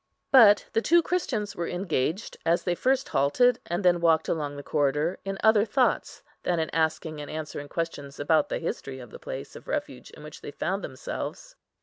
But the two Christians were engaged, as they first halted, and then walked along the corridor, in other thoughts, than in asking and answering questions about the history of the place of refuge in which they found themselves.